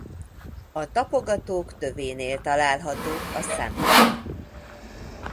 A tapogatók tövénél találhatók a szemek.